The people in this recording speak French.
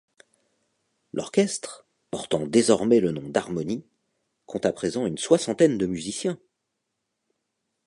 L'orchestre, portant désormais le nom d'Harmonie, compte à présent une soixantaine de musiciens.